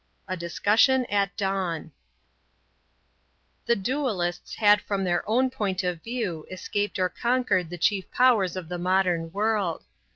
A DISCUSSION AT DAWN The duellists had from their own point of view escaped or conquered the chief powers of the modern world.